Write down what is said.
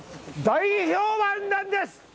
大評判なんです！